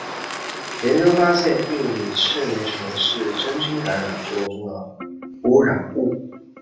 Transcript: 研究发现玉米赤霉醇是真菌感染作物中的污染物。